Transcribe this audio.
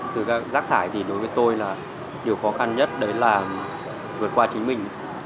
từ các rác thải thì đối với tôi là điều khó khăn nhất đấy là vượt qua chính mình